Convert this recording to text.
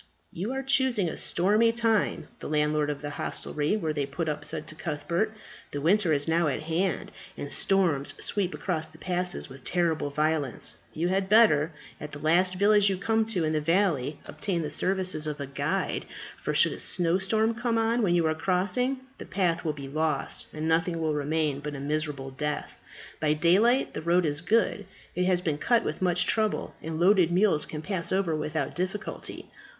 "You are choosing a stormy time," the landlord of the hostelry where they put up said to Cuthbert. "The winter is now at hand, and storms sweep across the passes with terrible violence. You had better, at the last village you come to in the valley, obtain the services of a guide, for should a snowstorm come on when you are crossing, the path will be lost, and nothing will remain but a miserable death. By daylight the road is good. It has been cut with much trouble, and loaded mules can pass over without difficulty.